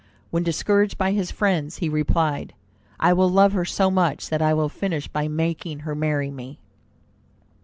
When discouraged by his friends, he replied, "I will love her so much that I will finish by making her marry me."